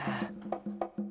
ya ini dia